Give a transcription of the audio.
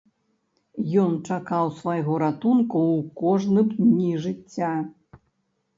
Ён чакаў свайго ратунку ў кожным дні жыцця.